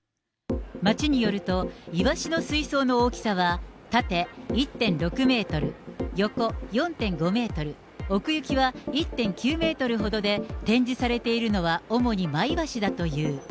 町によると、イワシの水槽の大きさは縦１．６メートル、横４．５メートル、奥行きは１．９メートルほどで、展示されているのは主にマイワシだという。